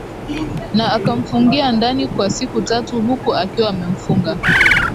na akamfungia ndani kwa siku tatu huku akiwa amemfunga